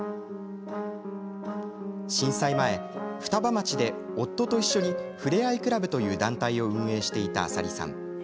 震災前、双葉町で夫と一緒にふれあいクラブという団体を運営していた麻里さん。